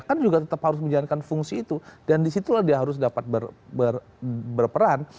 kan juga tetap harus menjalankan fungsi itu dan disitulah dia harus dapat berperan